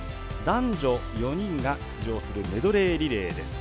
男女４人が出場するメドレーリレーです。